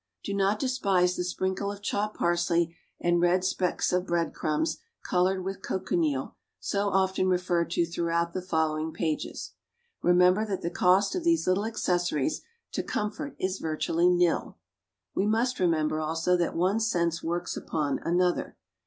Do not despise the sprinkle of chopped parsley and red specks of bread crumbs coloured with cochineal, so often referred to throughout the following pages. Remember that the cost of these little accessories to comfort is virtually nil. We must remember also that one sense works upon another.